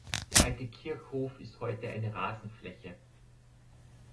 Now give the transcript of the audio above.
Der alte Kirchhof ist heute eine Rasenfläche.